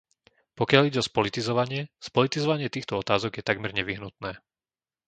Pokiaľ ide o spolitizovanie, spolitizovanie týchto otázok je takmer nevyhnutné.